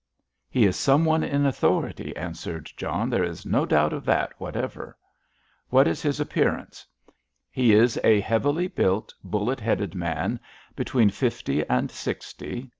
"He is some one in authority," answered John. "There is no doubt of that whatever." "What is his appearance?" "He is a heavily built, bullet headed man, between fifty and sixty.